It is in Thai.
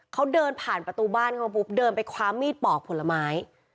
เขาเดินผ่านประตูบ้านเขาปุ๊บเดินไปคว้ามีดปอกผลไม้